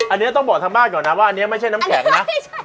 อันนี้ต้องบอกทางบ้านก่อนนะว่าอันนี้ไม่ใช่น้ำแข็งนะ